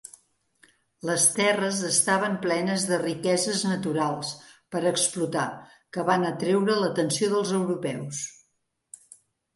Les terres estaven plenes de riqueses naturals per explotar que van atreure l'atenció dels europeus.